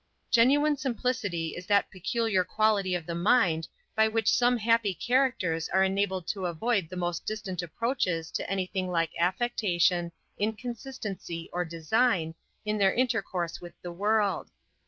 Genuine simplicity is that peculiar quality of the mind, by which some happy characters are enabled to avoid the most distant approaches to any thing like affectation, inconstancy, or design, in their intercourse with the world.